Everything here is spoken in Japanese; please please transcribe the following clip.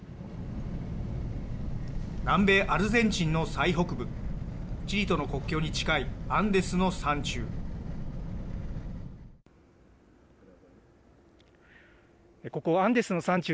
南米、アルゼンチンの最北部チリとの国境に近いアンデスの山中。